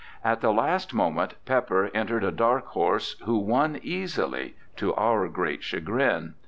At the last moment Pepper entered a dark horse, who won easily, to our great chagrin.